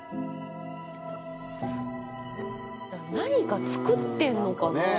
何かつくってんのかなぁ。